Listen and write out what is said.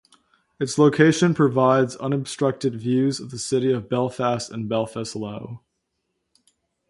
Its location provides unobstructed views of the city of Belfast and Belfast Lough.